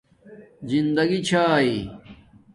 زندگی چھائ